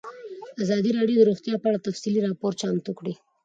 ازادي راډیو د روغتیا په اړه تفصیلي راپور چمتو کړی.